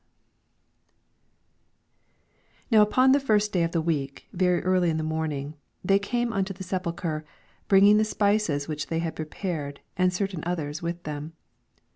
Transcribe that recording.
1 Now ui; on the first day of the week, very early in the morning, they came unto the sepulchre, hnnging the spices which they had preparec^ and certain others with them.